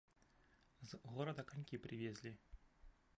З горада канькі прывезлі.